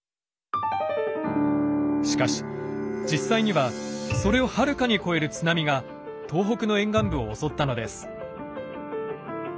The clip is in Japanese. しかし実際にはそれをはるかに超える津波が東北の沿岸部を襲ったのです。